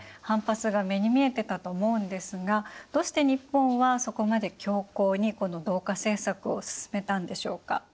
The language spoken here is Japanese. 反発が目に見えてたと思うんですがどうして日本はそこまで強硬にこの同化政策を進めたんでしょうか？